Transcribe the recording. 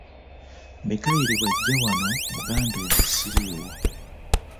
Mikayiri bw'ajja wano mugambe nti siriiwo.